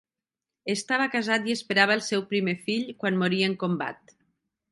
Estava casat i esperava el seu primer fill quan morí en combat.